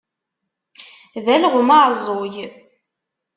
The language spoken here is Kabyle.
D alɣem aɛeẓẓug.